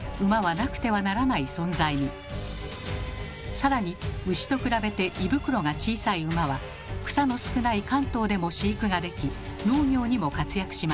更に牛と比べて胃袋が小さい馬は草の少ない関東でも飼育ができ農業にも活躍しました。